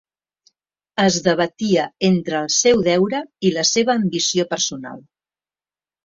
Es debatia entre el seu deure i la seva ambició personal.